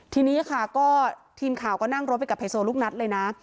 ทีนี้ค่ะก็ทีมข่าวก็นั่งรถไปกับไฮโซลูกนัดเลยนะ